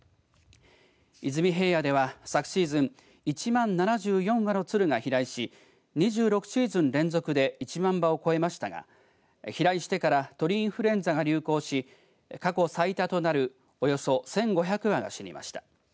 出水平野では昨シーズン１万７４羽のツルが飛来し２６シーズン連続で１万羽を超えましたが飛来してから鳥インフルエンザが流行し過去最多となるおよそ１５００羽が死にました。